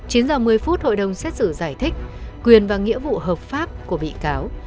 chín h một mươi phút hội đồng xét xử giải thích quyền và nghĩa vụ hợp pháp của bị cáo